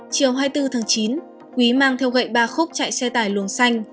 chiều hai mươi bốn tháng chín quý mang theo gậy ba khúc chạy xe tải luồng xanh